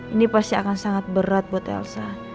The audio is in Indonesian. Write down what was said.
ini pasti akan sangat berat buat elsa